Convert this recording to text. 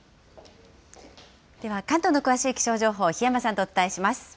では関東の詳しい気象情報、檜山さんとお伝えします。